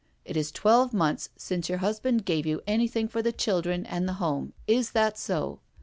It is twelve months since your husband gave you anything for the children and the home — is that so?"